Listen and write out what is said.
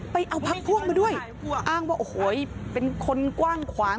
ไปเอาพักพวกมาด้วยอ้างว่าโอ้โหเป็นคนกว้างขวาง